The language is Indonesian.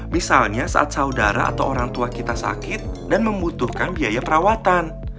misalnya saat saudara atau orang tua kita sakit dan membutuhkan biaya perawatan